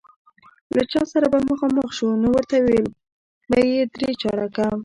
له چا سره به مخامخ شو، نو ورته ویل به یې درې چارکه.